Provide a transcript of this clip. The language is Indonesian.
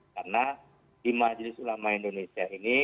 karena di majelis ulama indonesia ini